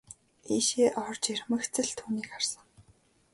Ийшээ орж ирмэгц л түүнийг харсан.